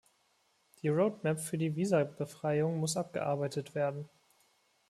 Die road map für die Visabefreiung muss abgearbeitet werden.